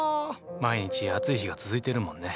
毎日暑い日が続いてるもんね。